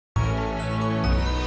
sampai jumpa lagi